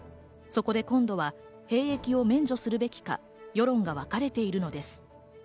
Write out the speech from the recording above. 今度は兵役を免除するべきか世論がわかれているのです。